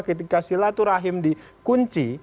ketika silaturahim dikunci